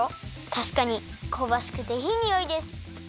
たしかにこうばしくていいにおいです！